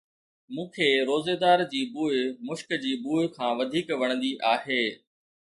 مون کي روزيدار جي بوءِ مشڪ جي بوءَ کان وڌيڪ وڻندي آهي